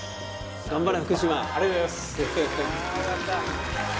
頑張れ福島ありがとうございます